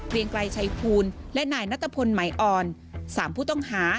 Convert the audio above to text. ไกลชัยภูลและนายนัทพลใหม่อ่อน๓ผู้ต้องหา